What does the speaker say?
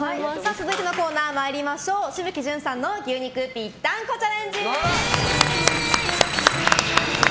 続いてのコーナーは紫吹淳さんの牛肉ぴったんこチャレンジ。